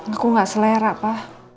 aku gak selera pa